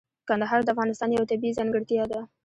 کندهار د افغانستان یوه طبیعي ځانګړتیا ده.